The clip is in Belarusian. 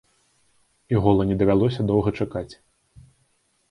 І гола не давялося доўга чакаць.